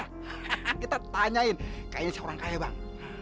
kita tanyain kayaknya si orang kaya bang